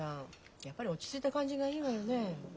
やっぱり落ち着いた感じがいいわよねえ。